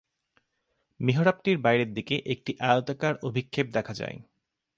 মিহরাবটির বাইরের দিকে একটি আয়তাকার অভিক্ষেপ দেখা যায়।